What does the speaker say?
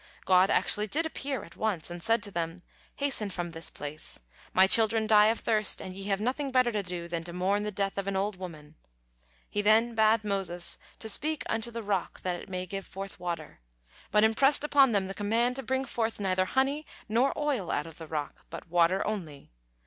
God actually did appear at once, and said to them: "Hasten from this place; My children die of thirst, and ye have nothing better to do than to mourn the death of an old woman!" He then bade Moses "to speak unto the rock that it may give forth water," but impressed upon them the command to bring forth neither honey nor oil out of the rock, but water only.